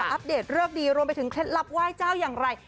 มาอัปเดตเลือกดีรวมไปเทศหลับไหว้เจ้ายังใคร